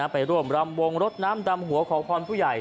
ไปร่วมรำวงรถน้ำดำหัวขอพรผู้ใหญ่